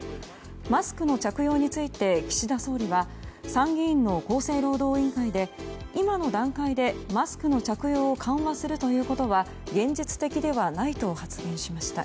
マスクの着用について岸田総理は参議院の厚生労働委員会で今の段階でマスクの着用を緩和するということは現実的ではないと発言しました。